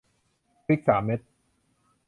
พริกสามเม็ด